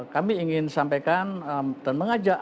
kami ingin sampaikan dan mengajak